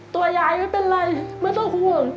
ตัวยายไม่เป็นไรไม่ต้องห่วง